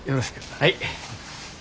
はい。